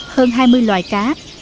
hơn hai mươi loài bò sát